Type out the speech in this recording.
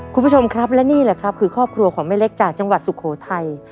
คุณผู้ชมครับและนี่แหละครับคือครอบครัวของแม่เล็กจากจังหวัดสุโขทัย